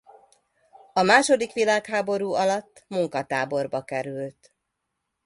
A második világháború alatt munkatáborba került.